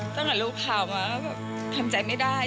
ตั้งแต่รูปข่าวมาคำใจไม่ได้